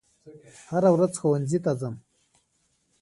هره ورځ ښوونځي ته ځم